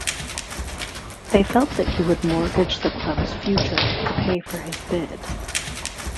They felt that he would mortgage the club's future to pay for his bid.